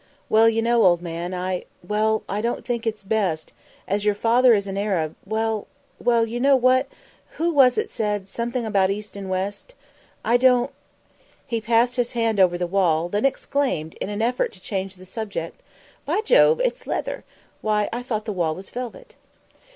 "Well, you know, old man, I well, don't you think it's best as your father is an Arab well! well, you know what who was it said something about East and West? I don't " He passed his hand over the wall, then exclaimed, in an effort to change the subject, "By Jove! it's leather! Why, I thought the wall was velvet."